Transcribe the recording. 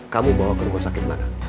kamu bawa ke rumah sakit mana